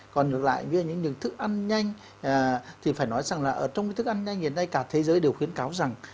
còn lại với những thức ăn nhanh thì phải nói rằng là trong cái thức ăn nhanh hiện nay cả thế giới đều khuyến cáo rằng